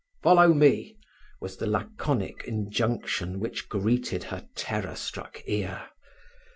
"Follow me," was the laconic injunction which greeted her terror struck ear.